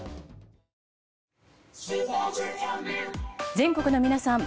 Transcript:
全国の皆さん